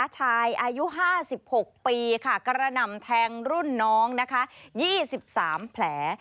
ชายอายุ๕๖ปีค่ะกระหน่ำแทงรุ่นน้อง๒๓แผล